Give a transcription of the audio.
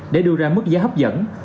để đưa ra mức giá hấp dẫn